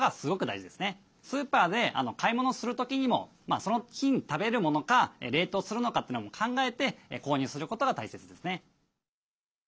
スーパーで買い物する時にもその日に食べるものか冷凍するのかというのを考えて購入することが大切ですね。